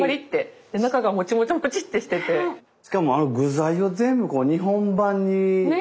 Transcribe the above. しかも具材を全部日本版にねえ。